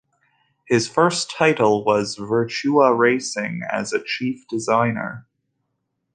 His first title was "Virtua Racing" as a chief designer.